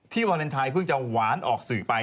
วาเลนไทยเพิ่งจะหวานออกสื่อไป